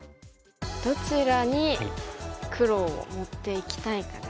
どちらに黒を持っていきたいかですよね。